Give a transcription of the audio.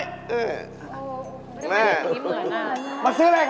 ไม่ได้มีสีเหมือน